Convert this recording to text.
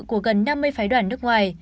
của gần năm mươi phái đoàn nước ngoài